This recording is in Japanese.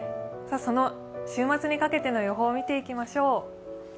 その週末にかけての予報を見ていきましょう。